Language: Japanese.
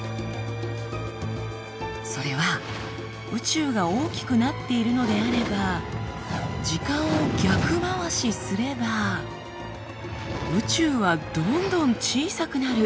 それは宇宙が大きくなっているのであれば時間を逆回しすれば宇宙はどんどん小さくなる。